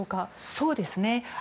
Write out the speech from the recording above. そうですね。